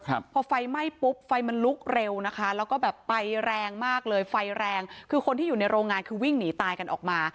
ครับพอไฟไหม้ปุ๊บไฟมันลุกเร็วนะคะแล้วก็แบบไปแรงมากเลยไฟแรงคือคนที่อยู่ในโรงงานคือวิ่งหนีตายกันออกมา